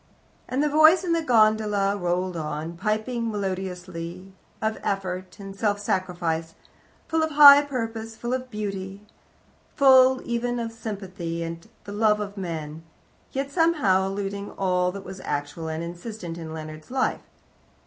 And the voice in the gondola rolled on, piping melodiously of Effort and Self Sacrifice, full of high purpose, full of beauty, full even of sympathy and the love of men, yet somehow eluding all that was actual and insistent in Leonard's life.